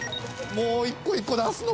１個１個出すの？